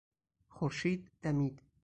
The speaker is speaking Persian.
خورشید دمید.